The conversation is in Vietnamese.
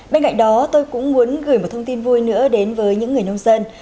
bên cạnh đó tôi cũng muốn gửi một thông tin vui nữa đến với những người nông dân